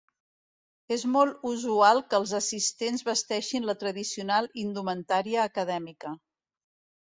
És molt usual que els assistents vesteixin la tradicional indumentària acadèmica.